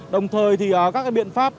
đồng thời thì các biện pháp